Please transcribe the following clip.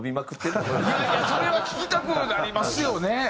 いやいやそれは聴きたくもなりますよね！